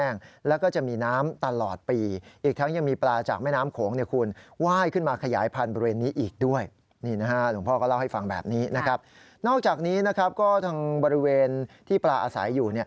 นอกจากนี้นะครับก็ทั้งบริเวณที่ปลาอาศัยอยู่